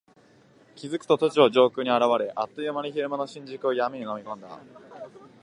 気付くと都庁上空に現れ、あっという間に昼間の新宿を闇の中に飲み込んだ。